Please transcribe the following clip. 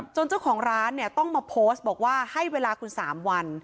เจ้าของร้านเนี่ยต้องมาโพสต์บอกว่าให้เวลาคุณ๓วัน